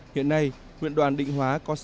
hiện nay huyện đoàn định hóa có